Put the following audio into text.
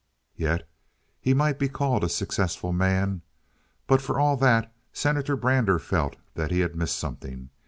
Yes, he might be called a successful man, but for all that Senator Brander felt that he had missed something.